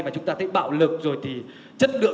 và chúng ta thấy bạo lực rồi thì chất lượng